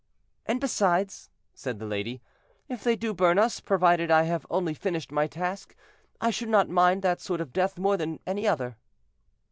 "And besides," said the lady, "if they do burn us, provided I have only finished my task, I should not mind that sort of death more than any other."